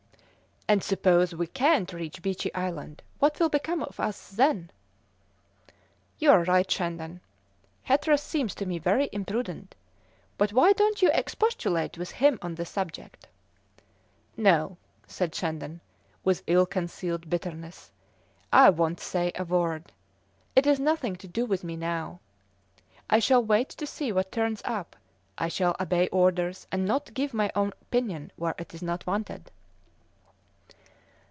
"And suppose we can't reach Beechey Island, what will become of us then?" "You are right, Shandon; Hatteras seems to me very imprudent; but why don't you expostulate with him on the subject?" "No," said Shandon, with ill concealed bitterness, "I won't say a word. It is nothing to do with me now. I shall wait to see what turns up; I shall obey orders, and not give my opinion where it isn't wanted."